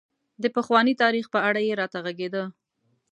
د پخواني تاريخ په اړه یې راته غږېده.